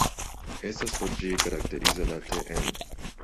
Estas por ĝi karakteriza la tn.